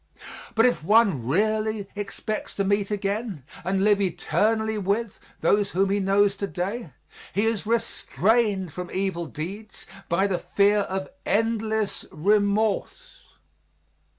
But if one really expects to meet again, and live eternally with, those whom he knows to day, he is restrained from evil deeds by the fear of endless remorse.